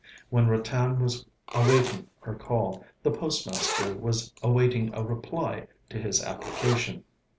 While Ratan was awaiting her call, the postmaster was awaiting a reply to his application.